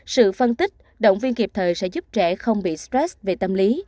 sự phân tích động viên kịp thời sẽ giúp trẻ không bị stress về tâm lý